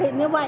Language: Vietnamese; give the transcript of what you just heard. thì như vậy